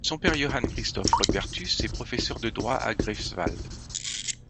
Son père Johann Christoph Rodbertus est professeur de droit à Greifswald.